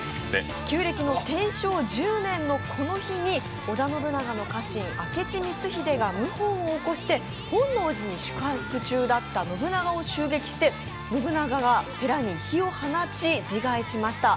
旧暦の天正１０年のこの日に、織田信長の家臣、明智光秀が謀反を起こして本能寺に宿泊中だった信長を襲撃し、信長が寺に火を放ち自害しました。